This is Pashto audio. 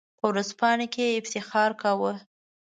په ورځپاڼو کې یې افتخار کاوه.